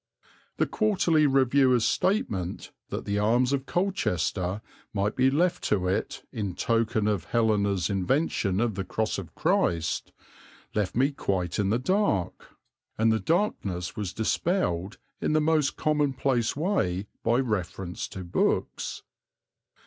The Quarterly Reviewer's statement that the arms of Colchester might be left to it "in token of Helena's invention of the cross of Christ," left me quite in the dark; and the darkness was dispelled in the most commonplace way by reference to books.